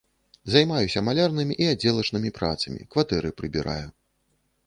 Займаюся малярнымі і аддзелачнымі працамі, кватэры прыбіраю.